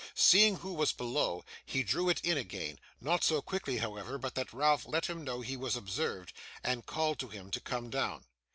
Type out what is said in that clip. Seeing who was below, he drew it in again; not so quickly, however, but that Ralph let him know he was observed, and called to him to come down.